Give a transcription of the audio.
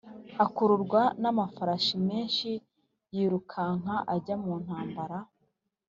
akururwa n’amafarashi menshi yirukanka ajya mu ntambara.